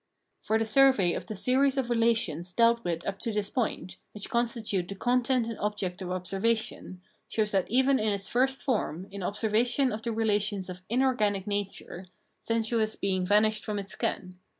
For the survey of the series of relations dealt with up to this point, which constitute the content and object of observation, shows that even in its first form, in observation of the relations of inorganic nature, sensuous Phrenology 331 being vanished from its ken.